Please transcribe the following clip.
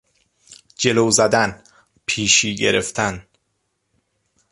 جلو زدن، پیشی گرفتن